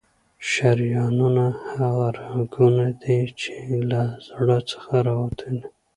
شریانونه هغه رګونه دي چې له زړه څخه وتلي.